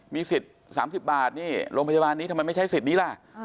มีสิทธิ์๓๐บาทนี่โรงพยาบาลนี้ทำไมไม่ใช้สิทธิ์นี้ล่ะ